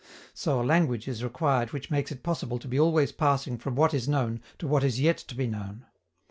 So a language is required which makes it possible to be always passing from what is known to what is yet to be known.